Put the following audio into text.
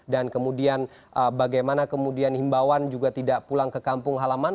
dan kemudian bagaimana kemudian imbauan juga tidak pulang ke kampung halaman